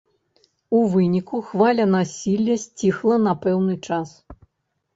У выніку хваля насілля сціхла на пэўны час.